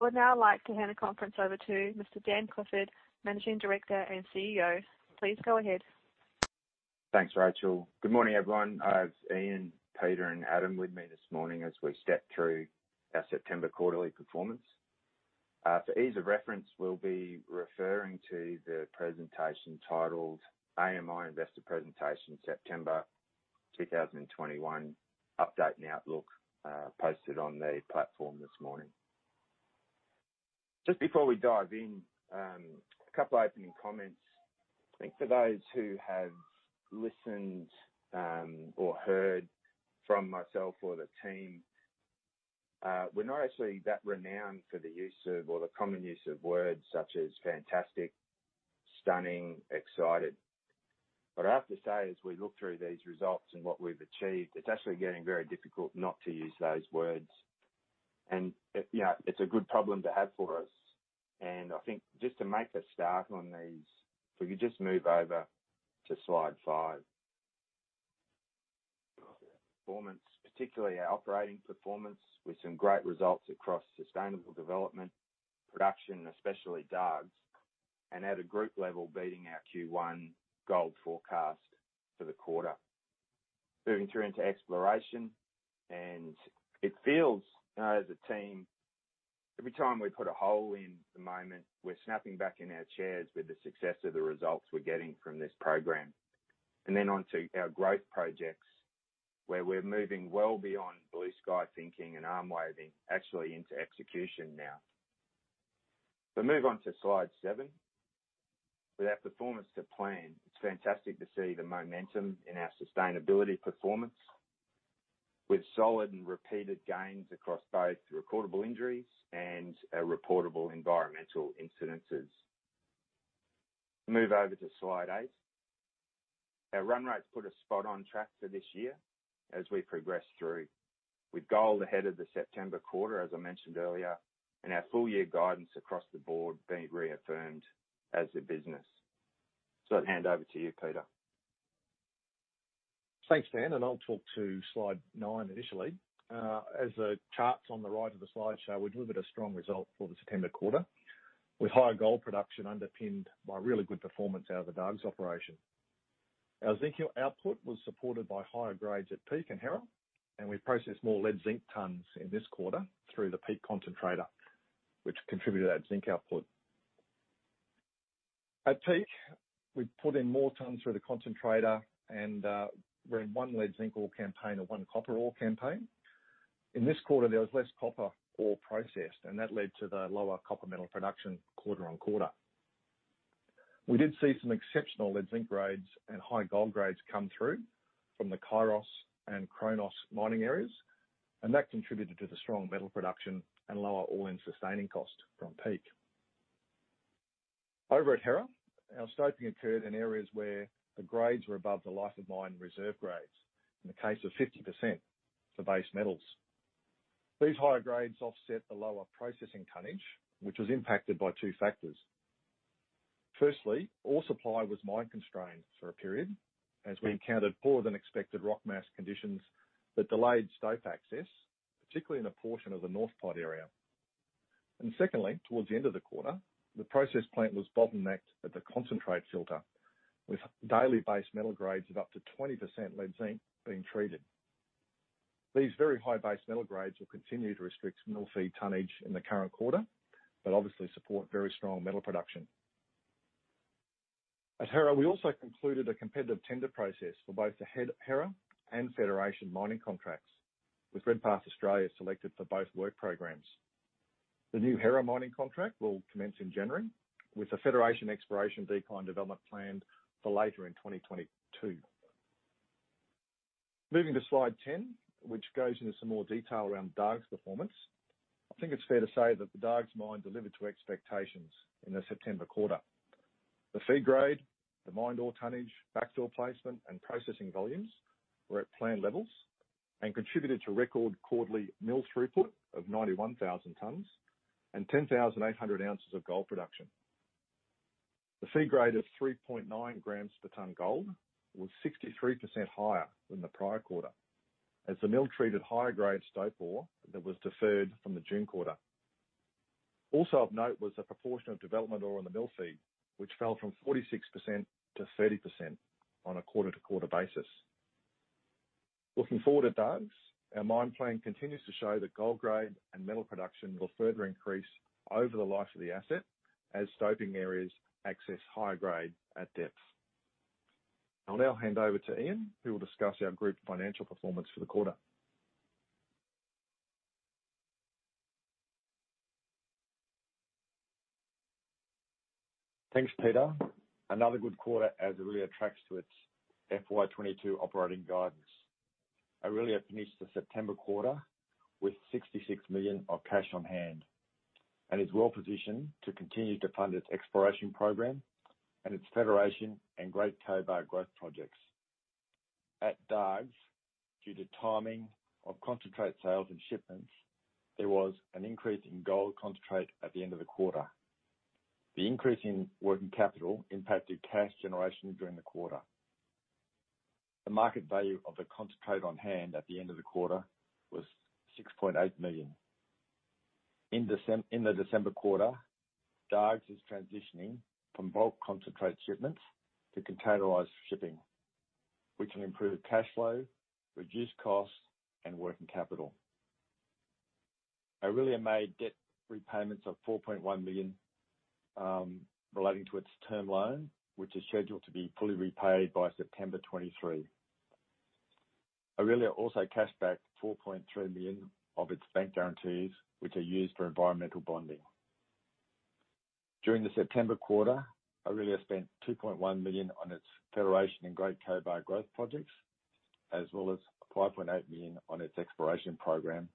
Would now like to hand the conference over to Mr. Dan Clifford, Managing Director and CEO. Please go ahead. Thanks, Rachel. Good morning, everyone. I have Ian, Peter, and Adam with me this morning as we step through our September quarterly performance. For ease of reference, we'll be referring to the presentation titled AMI Investor Presentation September 2021 Update and Outlook, posted on the platform this morning. Just before we dive in, a couple opening comments. I think for those who have listened or heard from myself or the team, we're not actually that renowned for the use of, or the common use of words such as fantastic, stunning, excited. I have to say, as we look through these results and what we've achieved, it's actually getting very difficult not to use those words. It's a good problem to have for us. I think just to make a start on these, if we could just move over to slide five. Performance, particularly our operating performance, with some great results across sustainable development production, especially Dargues, and at a group level, beating our Q1 gold forecast for the quarter. Moving through into exploration, it feels as a team, every time we put a hole in at the moment, we're snapping back in our chairs with the success of the results we're getting from this program. On to our growth projects, where we're moving well beyond blue sky thinking and arm-waving, actually into execution now. If we move on to slide seven. With our performance to plan, it's fantastic to see the momentum in our sustainability performance, with solid and repeated gains across both recordable injuries and our reportable environmental incidences. Move over to slide eight. Our run rate's put us spot on track for this year as we progress through, with gold ahead of the September quarter, as I mentioned earlier, and our full year guidance across the board being reaffirmed as a business. I hand over to you, Peter. Thanks, Dan, and I'll talk to slide nine initially. As the charts on the right of the slide show, we delivered a strong result for the September quarter, with higher gold production underpinned by really good performance out of the Dargues operation. Our zinc output was supported by higher grades at Peak and Hera, and we processed more lead zinc tons in this quarter through the Peak concentrator, which contributed to our zinc output. At Peak, we put in more tons through the concentrator, and we're in one lead zinc ore campaign and one copper ore campaign. In this quarter, there was less copper ore processed, and that led to the lower copper metal production quarter-on-quarter. We did see some exceptional lead zinc grades and high gold grades come through from the Kairos and Chronos mining areas. That contributed to the strong metal production and lower all-in sustaining cost from Peak. Over at Hera, our stoping occurred in areas where the grades were above the life of mine reserve grades, in the case of 50% for base metals. These higher grades offset the lower processing tonnage, which was impacted by two factors. Firstly, ore supply was mine constrained for a period as we encountered poorer-than-expected rock mass conditions that delayed stope access, particularly in a portion of the North Pod area. Secondly, towards the end of the quarter, the process plant was bottlenecked at the concentrate filter, with daily base metal grades of up to 20% lead zinc being treated. These very high base metal grades will continue to restrict mill feed tonnage in the current quarter, but obviously support very strong metal production. At Hera, we also concluded a competitive tender process for both the Hera and Federation mining contracts, with Redpath Australia selected for both work programs. The new Hera mining contract will commence in January, with the Federation exploration decline development planned for later in 2022. Moving to slide 10, which goes into some more detail around Dargues performance. I think it's fair to say that the Dargues mine delivered to expectations in the September quarter. The feed grade, the mined ore tonnage, backfill placement, and processing volumes were at plan levels and contributed to record quarterly mill throughput of 91,000 tonnes and 10,800 oz of gold production. The feed grade of 3.9 g per ton gold was 63% higher than the prior quarter, as the mill treated higher-grade stope ore that was deferred from the June quarter. Of note was the proportion of development ore in the mill feed, which fell from 46%-30% on a quarter-to-quarter basis. Looking forward at Dargues, our mine plan continues to show that gold grade and metal production will further increase over the life of the asset as stoping areas access high grade at depth. I'll now hand over to Ian, who will discuss our group financial performance for the quarter. Thanks, Peter. Another good quarter as Aurelia tracks to its FY 2022 operating guidance. Aurelia finished the September quarter with 66 million of cash on hand and is well positioned to continue to fund its exploration program and its Federation and Great Cobar growth projects. At Dargues, due to timing of concentrate sales and shipments, there was an increase in gold concentrate at the end of the quarter. The increase in working capital impacted cash generation during the quarter. The market value of the concentrate on hand at the end of the quarter was 6.8 million. In the December quarter, Dargues is transitioning from bulk concentrate shipments to containerized shipping, which will improve cash flow, reduce costs and working capital. Aurelia made debt repayments of 4.1 million relating to its term loan, which is scheduled to be fully repaid by September 2023. Aurelia also cash-backed 4.3 million of its bank guarantees, which are used for environmental bonding. During the September quarter, Aurelia spent 2.1 million on its Federation and Great Cobar growth projects, as well as 5.8 million on its exploration program,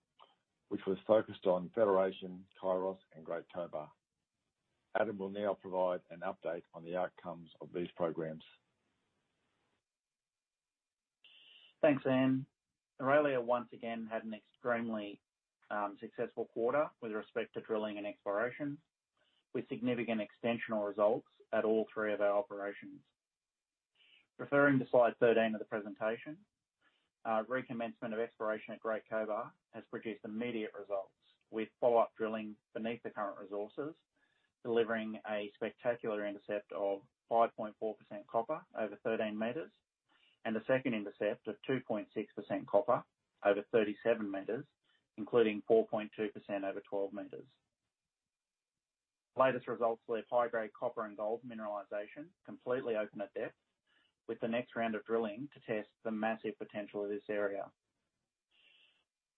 which was focused on Federation, Kairos and Great Cobar. Adam will now provide an update on the outcomes of these programs. Thanks, Ian. Aurelia, once again, had an extremely successful quarter with respect to drilling and exploration, with significant extensional results at all three of our operations. Referring to slide 13 of the presentation, our recommencement of exploration at Great Cobar has produced immediate results with follow-up drilling beneath the current resources, delivering a spectacular intercept of 5.4% copper over 13 m, and a second intercept of 2.6% copper over 37 m, including 4.2% over 12 m. Latest results leave high-grade copper and gold mineralization completely open at depth, with the next round of drilling to test the massive potential of this area.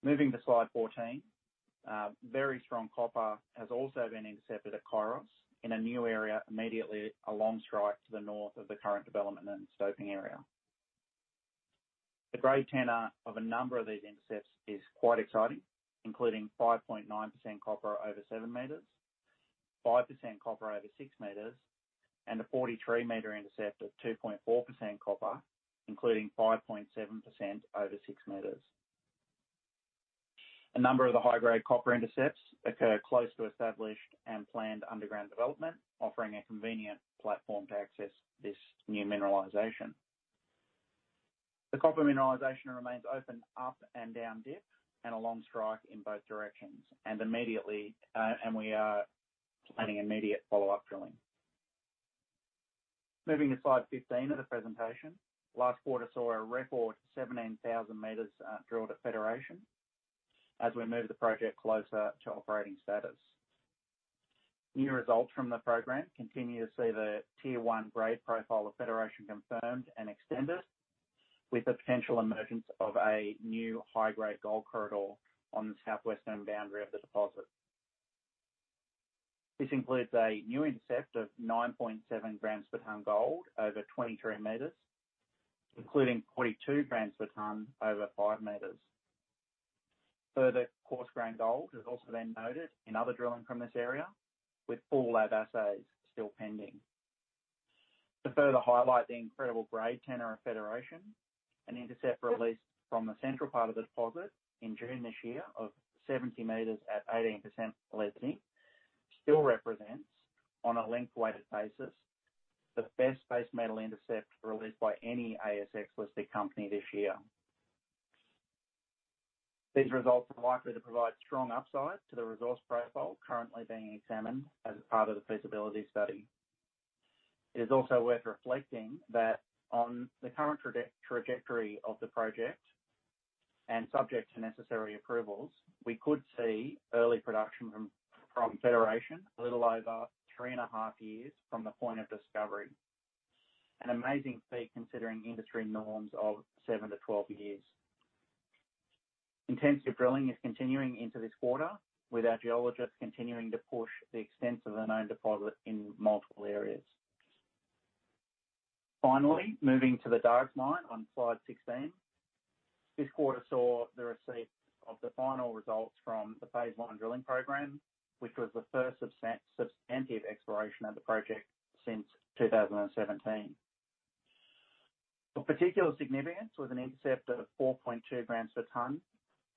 Moving to slide 14. Very strong copper has also been intercepted at Kairos in a new area immediately along strike to the north of the current development and stoping area. The grade tenor of a number of these intercepts is quite exciting, including 5.9% copper over 7 m, 5% copper over 6 m and a 43 m intercept of 2.4% copper, including 5.7% over 6 m. A number of the high-grade copper intercepts occur close to established and planned underground development, offering a convenient platform to access this new mineralization. The copper mineralization remains open up and down dip and along strike in both directions. We are planning immediate follow-up drilling. Moving to slide 15 of the presentation. Last quarter saw a record 17,000 m drilled at Federation as we move the project closer to operating status. New results from the program continue to see the tier 1 grade profile of Federation confirmed and extended, with the potential emergence of a new high-grade gold corridor on the southwestern boundary of the deposit. This includes a new intercept of 9.7 g per ton gold over 23 m, including 42 g per ton over five meters. Further coarse grain gold has also been noted in other drilling from this area, with full lab assays still pending. To further highlight the incredible grade tenor of Federation, an intercept released from the central part of the deposit in June this year of 70 m at 18% lead zinc still represents, on a length-weighted basis, the best base metal intercept released by any ASX-listed company this year. These results are likely to provide strong upside to the resource profile currently being examined as part of the feasibility study. It is also worth reflecting that on the current trajectory of the project, and subject to necessary approvals, we could see early production from Federation a little over three and a half years from the point of discovery. An amazing feat considering industry norms of 7-12 years. Intensive drilling is continuing into this quarter, with our geologists continuing to push the extent of the known deposit in multiple areas. Moving to the Dargues mine on slide 16. This quarter saw the receipt of the final results from the phase I drilling program, which was the first substantive exploration of the project since 2017. Of particular significance was an intercept of 4.2 g per ton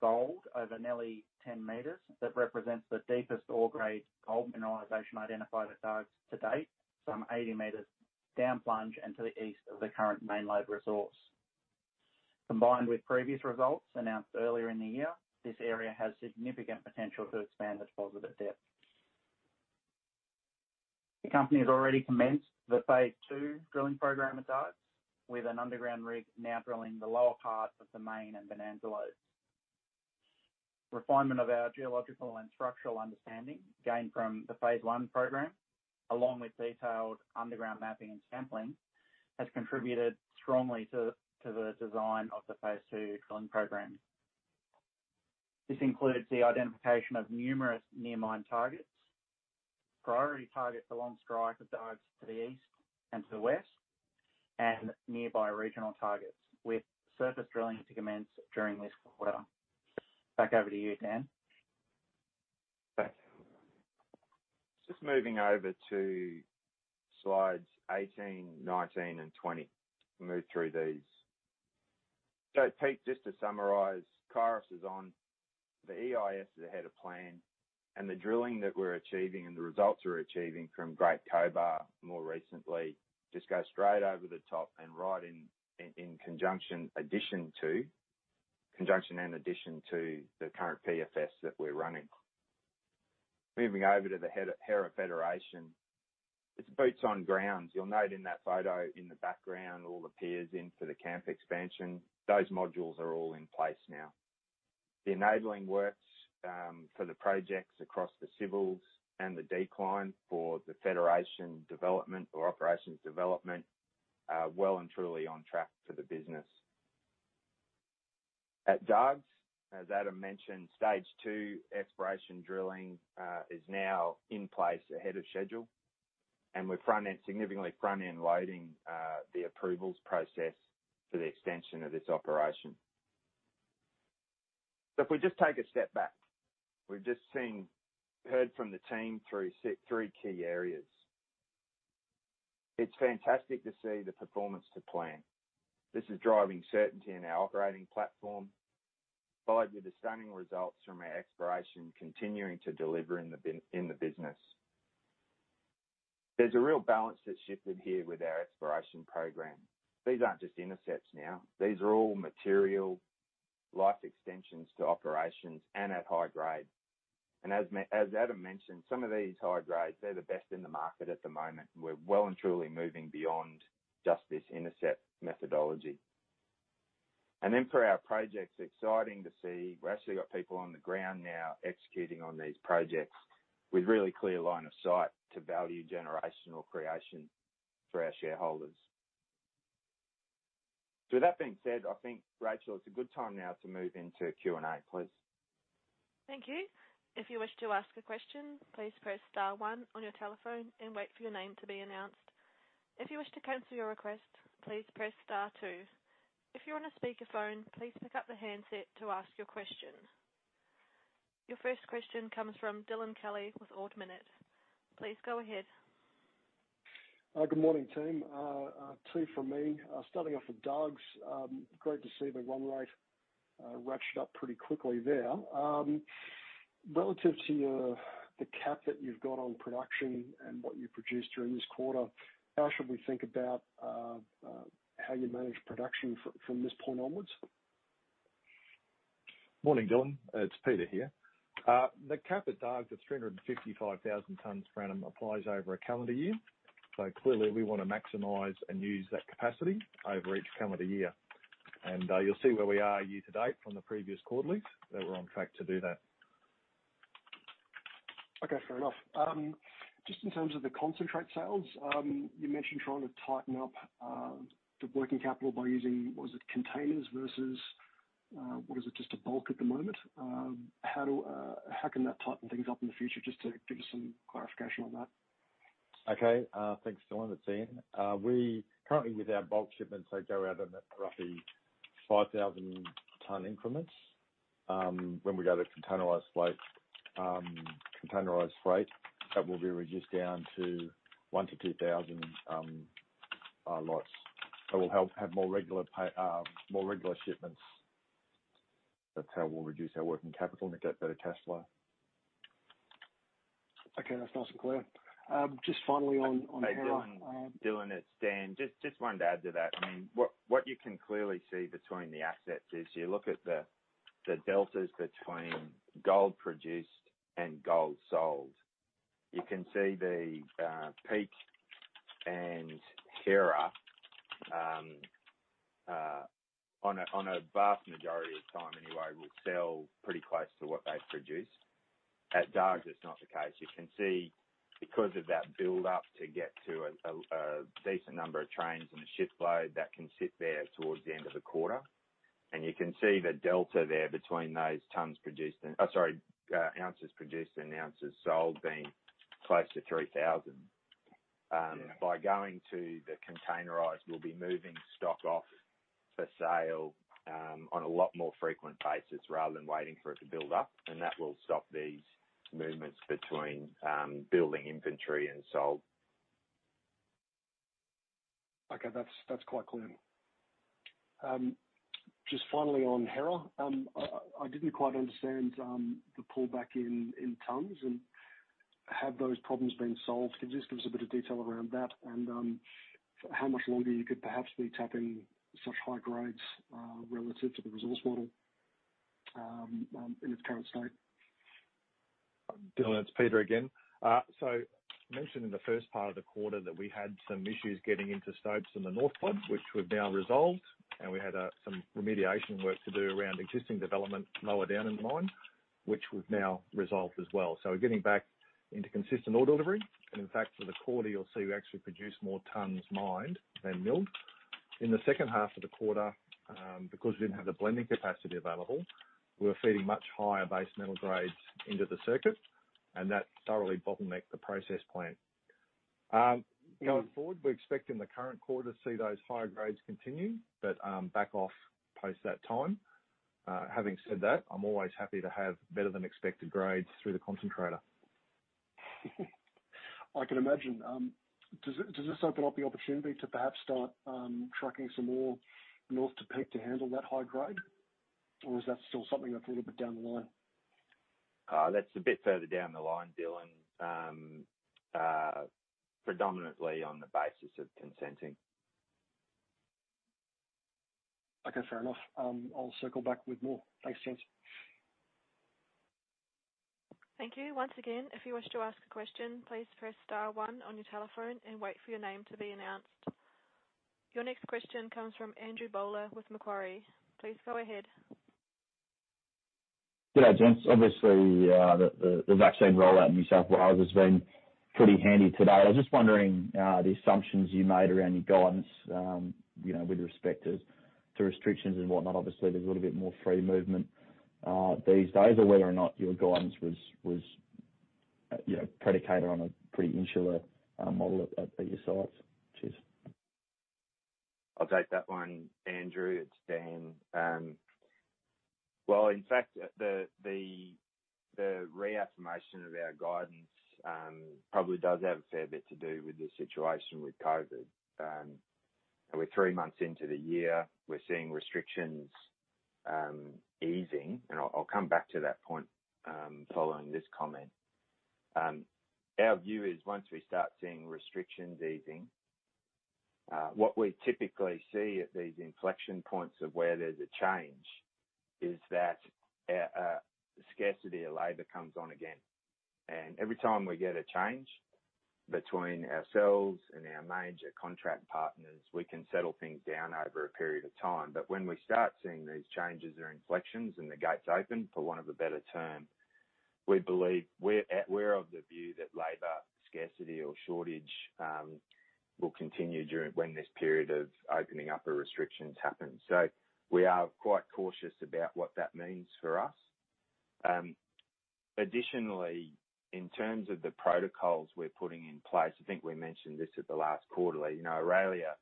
gold over nearly 10 m that represents the deepest ore grade gold mineralization identified at Dargues to date, some 80 m down plunge and to the east of the current Main Lode resource. Combined with previous results announced earlier in the year, this area has significant potential to expand the deposit at depth. The company has already commenced the phase II drilling program at Dargues with an underground rig now drilling the lower part of the Main Lode and Bonanza lodes. Refinement of our geological and structural understanding gained from the phase I program, along with detailed underground mapping and sampling, has contributed strongly to the design of the phase II drilling program. This includes the identification of numerous near mine targets. Priority targets along strike of Dargues to the east and to the west, and nearby regional targets with surface drilling to commence during this quarter. Back over to you, Dan. Thanks. Just moving over to slides 18, 19 and 20. Move through these. Peter, just to summarize, Kairos is on, the EIS is ahead of plan, and the drilling that we're achieving and the results we're achieving from Great Cobar more recently just go straight over the top and right in conjunction and addition to the current PFS that we're running. Moving over to the Hera Federation, it's boots on grounds. You'll note in that photo in the background, all the piers in for the camp expansion, those modules are all in place now. The enabling works for the projects across the civils and the decline for the Federation development or operations development are well and truly on track for the business. At Dargues, as Adam mentioned, stage 2 exploration drilling is now in place ahead of schedule, and we're significantly front-end loading the approvals process for the extension of this operation. If we just take a step back, we've just heard from the team three key areas. It's fantastic to see the performance to plan. This is driving certainty in our operating platform, followed with the stunning results from our exploration continuing to deliver in the business. There's a real balance that's shifted here with our exploration program. These aren't just intercepts now. These are all material life extensions to operations and at high grade. As Adam mentioned, some of these high grades, they're the best in the market at the moment, and we're well and truly moving beyond just this intercept methodology. For our projects, exciting to see we've actually got people on the ground now executing on these projects with really clear line of sight to value generation or creation for our shareholders. With that being said, I think, Rachel, it's a good time now to move into Q&A, please. Thank you. Your first question comes from Dylan Kelly with Ord Minnett. Please go ahead. Good morning, team. Two from me. Starting off with Dargues. Great to see the life of mine ratcheted up pretty quickly there. Relative to the cap that you've got on production and what you produced during this quarter, how should we think about how you manage production from this point onwards? Morning, Dylan. It's Peter here. The cap at Dargues of 355,000 tonnes per annum applies over a calendar year. Clearly we want to maximize and use that capacity over each calendar year. You'll see where we are year to date from the previous quarterly, that we're on track to do that. Okay, fair enough. Just in terms of the concentrate sales, you mentioned trying to tighten up the working capital by using, was it containers versus, what is it, just a bulk at the moment? How can that tighten things up in the future? Just to give us some clarification on that. Okay. Thanks, Dylan. It's Ian. We currently, with our bulk shipments, they go out in roughly 5,000 tonne increments. When we go to containerized freight, that will be reduced down to 1,000-2,000 lots. That will help have more regular shipments. That's how we'll reduce our working capital and get better cash flow. Okay. That's nice and clear. Hey, Dylan, it's Dan. Just wanted to add to that. What you can clearly see between the assets is you look at the deltas between gold produced and gold sold. You can see the Peak and Hera on a vast majority of time anyway, will sell pretty close to what they've produced. At Dargues, it's not the case. You can see because of that buildup to get to a decent number of trains and a ship load that can sit there towards the end of the quarter. You can see the delta there between those tonnes produced and, sorry, ounces produced and ounces sold being close to 3,000. By going to the containerized, we'll be moving stock off for sale on a lot more frequent basis rather than waiting for it to build up. That will stop these movements between building inventory and sold. Okay. That's quite clear. Just finally on Hera, I didn't quite understand the pullback in tons and have those problems been solved? Could you just give us a bit of detail around that and how much longer you could perhaps be tapping such high grades relative to the resource model in its current state? Dylan, it's Peter again. Mentioned in the first part of the quarter that we had some issues getting into stopes in the North Pod, which we've now resolved, and we had some remediation work to do around existing development lower down in the mine, which we've now resolved as well. In fact, for the quarter, you'll see we actually produced more tons mined than milled. In the second half of the quarter, because we didn't have the blending capacity available, we were feeding much higher base metal grades into the circuit, and that thoroughly bottlenecked the process plant. Going forward, we expect in the current quarter to see those higher grades continue, but back off post that time. Having said that, I'm always happy to have better than expected grades through the concentrator. I can imagine. Does this open up the opportunity to perhaps start trucking some more north to Peak to handle that high grade? Or is that still something that's a little bit down the line? That's a bit further down the line, Dylan. Predominantly on the basis of consenting. Okay, fair enough. I'll circle back with more. Thanks, James. Thank you. Once again, if you wish to ask a question, please press star one on your telephone and wait for your name to be announced. Your next question comes from Andrew Bowler with Macquarie. Please go ahead. Good day, James. The vaccine rollout in New South Wales has been pretty handy to date. I was just wondering, the assumptions you made around your guidance, with respect to restrictions and whatnot. There's a little bit more free movement these days. Whether or not your guidance was predicated on a pretty insular model at your sites? Cheers. I'll take that one, Andrew. It's Dan. Well, in fact, the reaffirmation of our guidance probably does have a fair bit to do with the situation with COVID. We're three months into the year, we're seeing restrictions easing, and I'll come back to that point following this comment. Our view is once we start seeing restrictions easing, what we typically see at these inflection points of where there's a change is that a scarcity of labor comes on again. Every time we get a change between ourselves and our major contract partners, we can settle things down over a period of time. When we start seeing these changes or inflections and the gates open, for want of a better term, we're of the view that labor scarcity or shortage will continue when this period of opening up of restrictions happens. We are quite cautious about what that means for us. Additionally, in terms of the protocols we're putting in place, I think we mentioned this at the last quarterly. Aurelia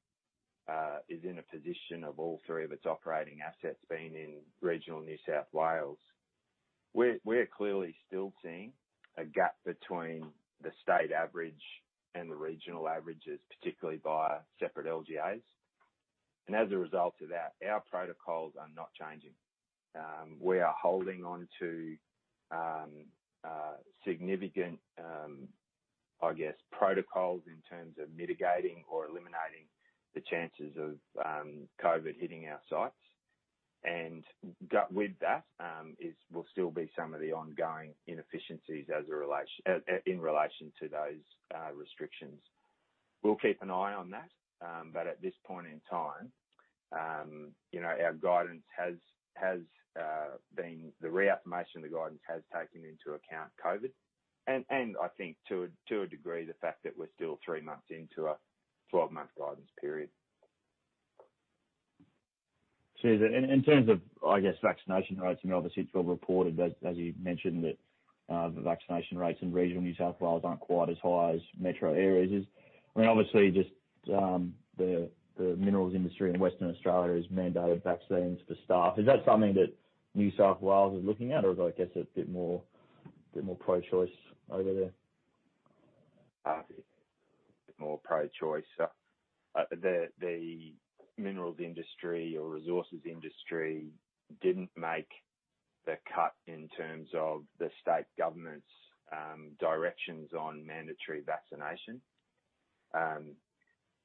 is in a position of all three of its operating assets being in regional New South Wales. We're clearly still seeing a gap between the state average and the regional averages, particularly by separate LGAs. As a result of that, our protocols are not changing. We are holding on to significant protocols in terms of mitigating or eliminating the chances of COVID hitting our sites. With that will still be some of the ongoing inefficiencies in relation to those restrictions. We'll keep an eye on that. At this point in time, the reaffirmation of the guidance has taken into account COVID, and I think to a degree, the fact that we're still three months into a 12-month guidance period. Cheers. In terms of vaccination rates, obviously it's well reported that, as you mentioned, that the vaccination rates in regional New South Wales aren't quite as high as metro areas. Obviously, the minerals industry in Western Australia has mandated vaccines for staff. Is that something that New South Wales is looking at? Or is it a bit more pro-choice over there? More pro-choice. The minerals industry or resources industry didn't make the cut in terms of the state government's directions on mandatory vaccination.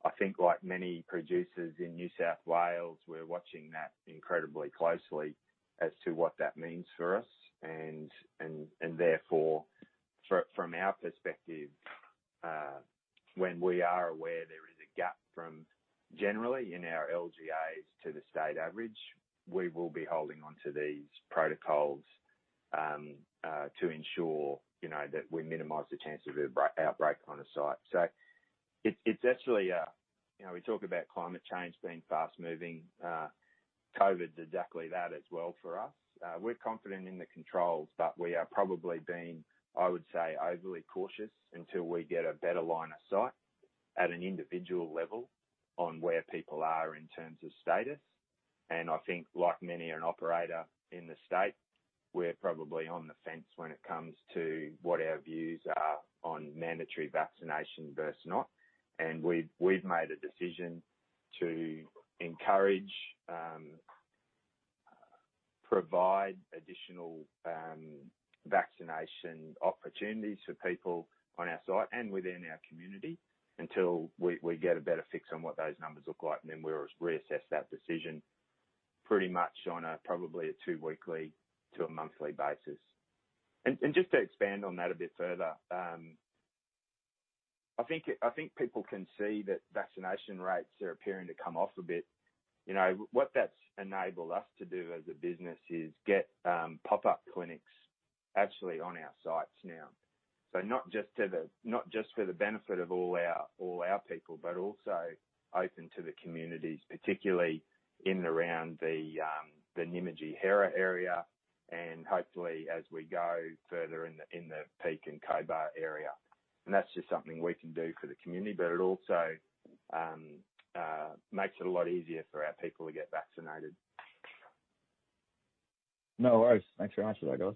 I think like many producers in New South Wales, we're watching that incredibly closely as to what that means for us. Therefore, from our perspective, when we are aware there is a gap from generally in our LGAs to the state average, we will be holding on to these protocols to ensure that we minimize the chance of an outbreak on a site. We talk about climate change being fast-moving. COVID is exactly that as well for us. We're confident in the controls, but we are probably being, I would say, overly cautious until we get a better line of sight at an individual level on where people are in terms of status. I think like many an operator in the state, we're probably on the fence when it comes to what our views are on mandatory vaccination versus not. We've made a decision to encourage, provide additional vaccination opportunities for people on our site and within our community until we get a better fix on what those numbers look like. Then we'll reassess that decision pretty much on a probably a two weekly to a monthly basis. Just to expand on that a bit further, I think people can see that vaccination rates are appearing to come off a bit. What that's enabled us to do as a business is get pop-up clinics actually on our sites now. Not just for the benefit of all our people, but also open to the communities, particularly in and around the Nymagee area, and hopefully as we go further in the Peak and Cobar area. That's just something we can do for the community, but it also makes it a lot easier for our people to get vaccinated. No worries. Thanks for asking that, guys.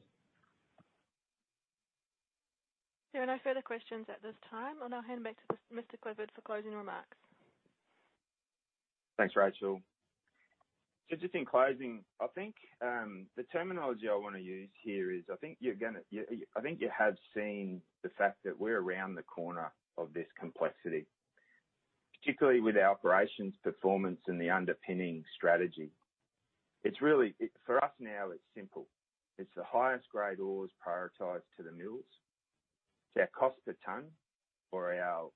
There are no further questions at this time. I'll now hand back to Mr. Clifford for closing remarks. Thanks, Rachel. Just in closing, I think the terminology I want to use here is, I think you have seen the fact that we're around the corner of this complexity, particularly with our operations performance and the underpinning strategy. For us now, it's simple. It's the highest-grade ores prioritized to the mills. It's our cost per tonne or our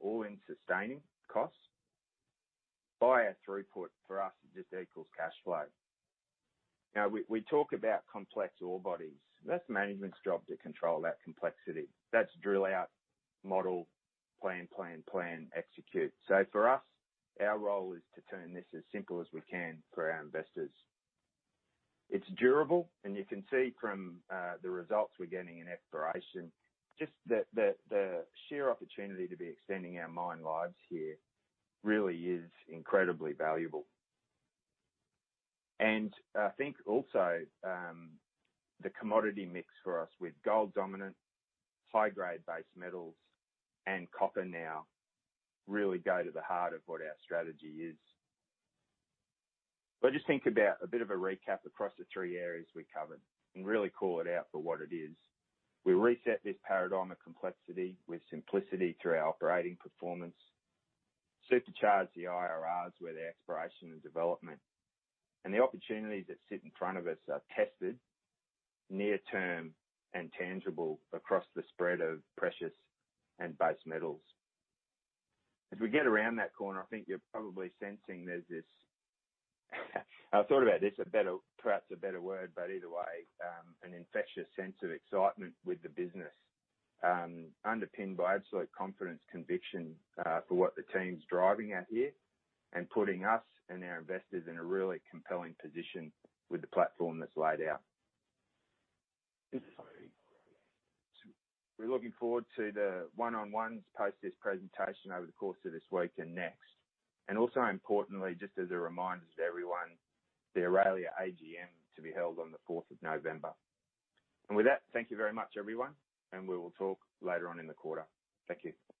all-in sustaining costs by our throughput, for us, it just equals cash flow. We talk about complex ore bodies. That's management's job to control that complexity. That's drill out, model, plan, execute. For us, our role is to turn this as simple as we can for our investors. It's durable, you can see from the results we're getting in exploration, just the sheer opportunity to be extending our mine lives here really is incredibly valuable. I think also, the commodity mix for us with gold-dominant, high-grade base metals, and copper now really go to the heart of what our strategy is. Just think about a bit of a recap across the three areas we covered, and really call it out for what it is. We reset this paradigm of complexity with simplicity through our operating performance, supercharge the IRRs with our exploration and development, and the opportunities that sit in front of us are tested near term and tangible across the spread of precious and base metals. As we get around that corner, I think you're probably sensing there's this I thought about this, perhaps a better word, but either way, an infectious sense of excitement with the business, underpinned by absolute confidence, conviction for what the team's driving at here and putting us and our investors in a really compelling position with the platform that's laid out. We're looking forward to the one-on-ones post this presentation over the course of this week and next. Also importantly, just as a reminder to everyone, the Aurelia AGM to be held on the fourth of November. With that, thank you very much, everyone, and we will talk later on in the quarter. Thank you.